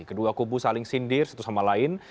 kedua kubu saling sindir satu sama lain